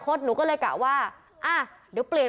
เป็นลุคใหม่ที่หลายคนไม่คุ้นเคย